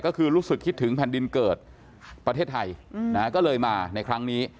ก็คือรู้สึกคิดถึงแผ่นดินเกิดประเทศไทยก็เลยมาในครั้งนี้